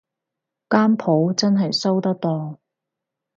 間舖真係收得檔